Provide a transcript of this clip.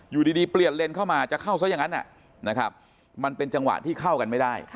อยู่ดีเปลี่ยนเลนเข้ามาจะเข้าซะอย่างนั้นนะครับมันเป็นจังหวะที่เข้ากันไม่ได้